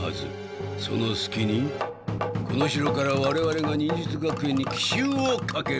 そのすきにこの城からわれわれが忍術学園に奇襲をかける！